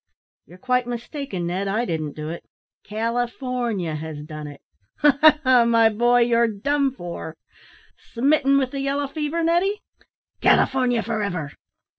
"You're quite mistaken, Ned. I didn't do it. California has done it. Ha! ha! my boy, you're done for! Smitten with the yellow fever, Neddy? California for ever!